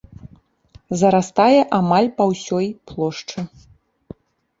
Зарастае амаль па ўсё плошчы.